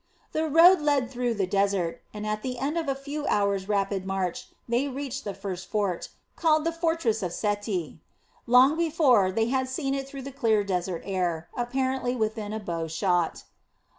The road led through the desert, and at the end of a few hours' rapid march they reached the first fort, called the Fortress of Seti. Long before, they had seen it through the clear desert air, apparently within a bowshot.